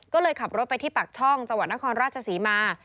ก็เลยขับรถไปที่ปากช่องจังหวัดนครราชศรีมา